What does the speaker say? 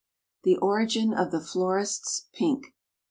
THE ORIGIN OF THE FLORIST'S PINK.